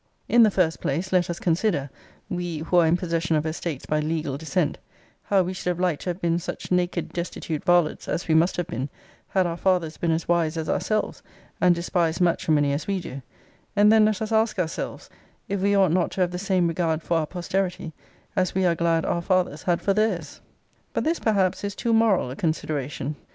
In the first place, let us consider (we, who are in possession of estates by legal descent) how we should have liked to have been such naked destitute varlets, as we must have been, had our fathers been as wise as ourselves; and despised matrimony as we do and then let us ask ourselves, If we ought not to have the same regard for our posterity, as we are glad our fathers had for theirs? But this, perhaps, is too moral a consideration.